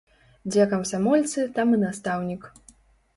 Дзе камсамольцы, там і настаўнік.